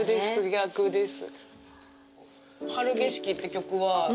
逆です